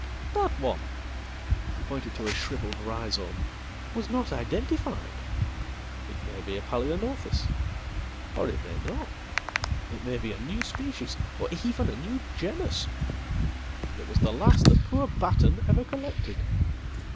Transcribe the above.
"That one " he pointed to a shrivelled rhizome "was not identified. Itmay be a Palaeonophis or it may not. It may be a new species, or even anew genus. And it was the last that poor Batten ever collected.""